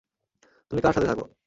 তুমি কার সাথে থাকো?